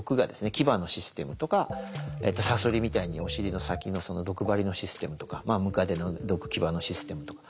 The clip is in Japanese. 牙のシステムとかサソリみたいにお尻の先の毒針のシステムとかムカデの毒牙のシステムとか。